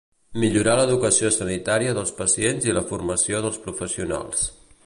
Millorar l'educació sanitària dels pacients i la formació dels professionals.